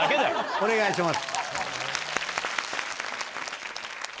お願いします。